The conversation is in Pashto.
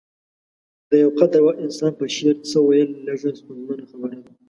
د يو قدر وړ انسان په شعر څه ويل لږه ستونزمنه خبره ده.